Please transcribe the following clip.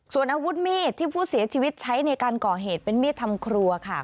ส่วนอาวุธมีดที่ผู้เสียชีวิตใช้ในการก่อเหตุเป็นมีดทำครัวค่ะ